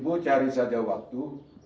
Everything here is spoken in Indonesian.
ibu cari saja waktu